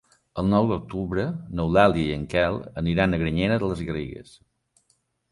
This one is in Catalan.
El nou d'octubre n'Eulàlia i en Quel aniran a Granyena de les Garrigues.